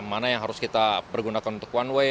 mana yang harus kita pergunakan untuk one way